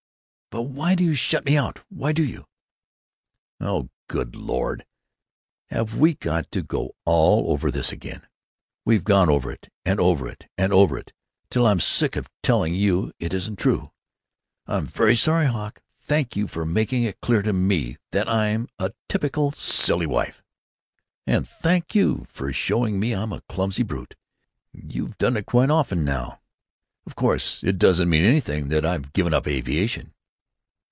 "But why do you shut me out? Why do you?" "Oh, good Lord! have we got to go all over that again? We've gone over it and over it and over it till I'm sick of telling you it isn't true." "I'm very sorry, Hawk. Thank you for making it clear to me that I'm a typical silly wife." "And thank you for showing me I'm a clumsy brute. You've done it quite often now. Of course it doesn't mean anything that I've given up aviation."